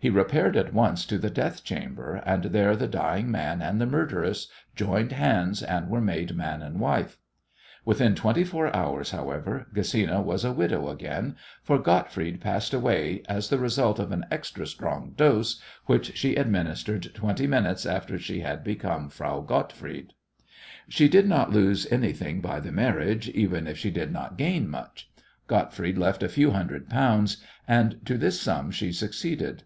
He repaired at once to the death chamber, and there the dying man and the murderess joined hands and were made man and wife. Within twenty four hours, however, Gesina was a widow again, for Gottfried passed away as the result of an extra strong dose which she administered twenty minutes after she had become Frau Gottfried. She did not lose anything by the marriage even if she did not gain much. Gottfried left a few hundred pounds, and to this sum she succeeded.